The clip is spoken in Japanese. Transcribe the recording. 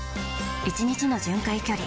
１日の巡回距離